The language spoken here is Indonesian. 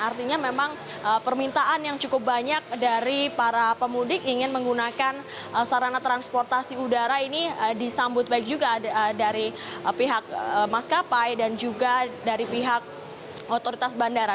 artinya memang permintaan yang cukup banyak dari para pemudik ingin menggunakan sarana transportasi udara ini disambut baik juga dari pihak maskapai dan juga dari pihak otoritas bandara